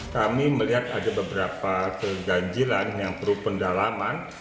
kami melihat ada beberapa keganjilan yang perlu pendalaman